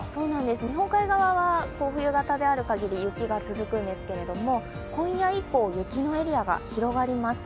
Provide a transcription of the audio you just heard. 日本海側は冬型であるかぎり雪が続くんですけれども、今夜以降、雪のエリアが広がります。